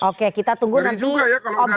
oke kita tunggu nanti